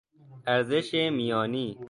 ارزش میانی